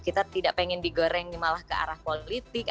kita tidak pengen digoreng malah ke arah politik